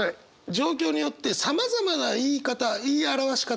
状況によってさまざまな言い方言い表し方があります。